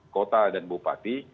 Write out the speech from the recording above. kota dan bupati